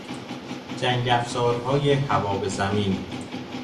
جنگافزارهای هوا به زمین